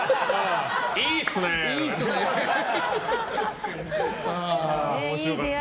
いいっすねって。